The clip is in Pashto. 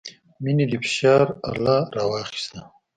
مينې د فشار اله راواخيسته.